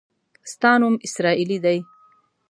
ستا نوم اسراییلي دی.